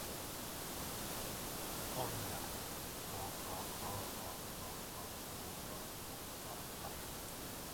Máster en Relaciones Laborales Internacionales por la London School of Economics.